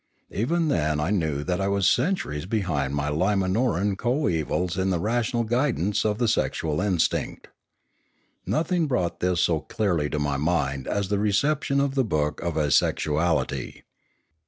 Even then I knew that I was centuries behind my Limanoran coevals in the rational guidance of the sexual instinct. Nothing brought this so clearly to my mind as the reception of the book of Asexuality.